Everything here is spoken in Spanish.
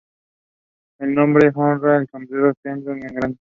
El nombre honra al soberano Sejong el Grande.